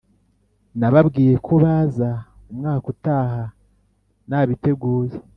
nababwiye ko baza umwaka utaha nabiteguye